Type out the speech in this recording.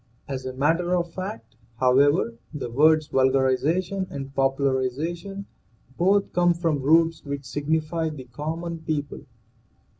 As a matter of fact, however, the words vulgarization and popularization both come from roots which signify the common people.